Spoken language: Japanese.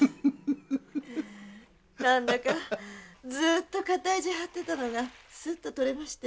何だかずっと肩ひじ張ってたのがすっと取れましてね。